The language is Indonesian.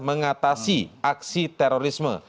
mengatasi aksi terorisme